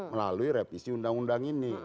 melalui revisi undang undang ini